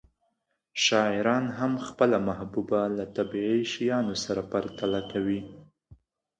شاعران هم خپله محبوبه له طبیعي شیانو سره پرتله کوي